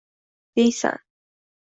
deysan